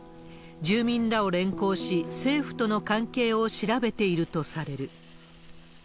住民らを連行し、政府との関係を調べているとされる。